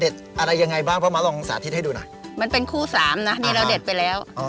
เพราะมาลองสาธิตให้ดูหน่อยมันเป็นคู่สามน่ะนี่เราเด็ดไปแล้ว